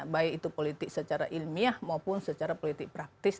baik itu politik secara ilmiah maupun secara politik praktis